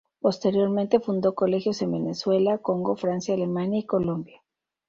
Posteriormente fundó colegios en Venezuela, Congo, Francia, Alemania y Colombia.